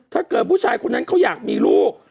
ถ้าเกิดผู้ชายคนนั้นเขาอยากมีลูก